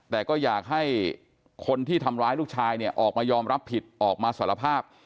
แต่ก็อยากให้คนที่ทำร้ายลูกชายเนี่ยออกมายอมรับผิดออกมาสารภาพ